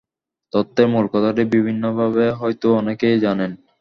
তত্ত্বের মূল কথাটা বিভিন্নভাবে হয়তো অনেকেই জানেন।